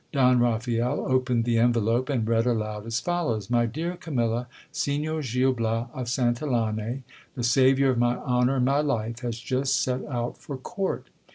Don Raphael opened the envelope, and read aloud as follows : "My dear Camilla, Signor Gil Bias of Santillane, the saviour of my honour and my life, has just set out for court.